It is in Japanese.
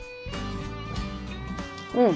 うん。